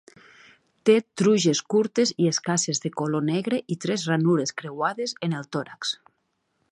Té truges curtes i escasses de color negre i tres ranures creuades en el tòrax.